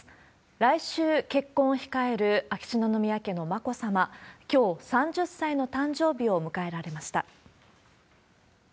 来週、結婚を控える秋篠宮家の眞子さま。きょう、３０歳の誕生日を迎えられました。